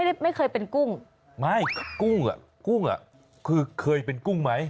ก็ไม่เคยเป็นกุ้งไม่กุ้งอะคือเคยเป็นกุ้งไหม